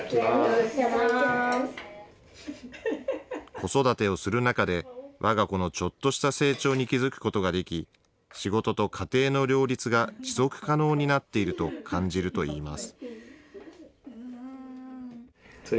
子育てをする中で、わが子のちょっとした成長に気付くことができ、仕事と家庭の両立が持続可能になっていると感じるといいます。